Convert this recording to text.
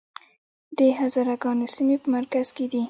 د هزاره ګانو سیمې په مرکز کې دي